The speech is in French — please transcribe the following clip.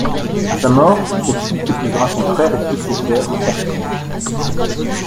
À sa mort, celle-ci épousera son frère et successeur Hercule.